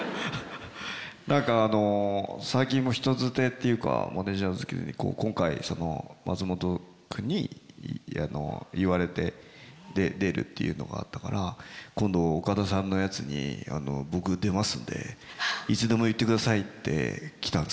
何か最近も人づてというかマネージャーづてに今回松本君に言われてで出るっていうのがあったから今度岡田さんのやつに僕出ますんでいつでも言ってくださいって来たんですけど